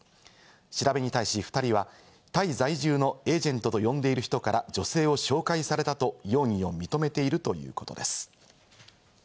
調べに対し２人はタイ在中のエージェントと呼んでいる人から女性を紹介されたと容疑を認めているということです。